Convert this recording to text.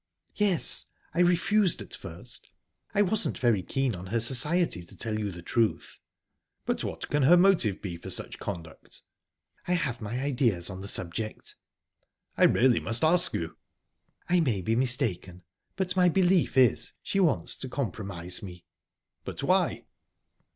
"Yes. I refused at first. I wasn't very keen on her society, to tell you the truth." "But what can her motive be for such conduct?" "I have my ideas on the subject." "I really must ask you..." "I may be mistaken, but my belief is she wants to compromise me." "But why?"